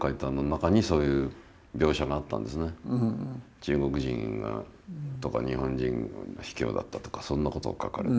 「中国人が」とか「日本人ひきょうだった」とかそんなことを書かれて。